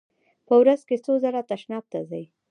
په ورځ کې څو ځله تشناب ته ځئ؟